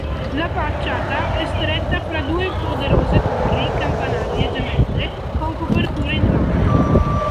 La facciata è stretta fra due poderose torri campanarie gemelle con copertura in rame.